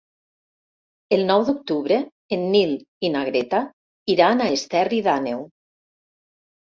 El nou d'octubre en Nil i na Greta iran a Esterri d'Àneu.